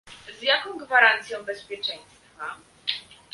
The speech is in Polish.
z jaką gwarancją bezpieczeństwa?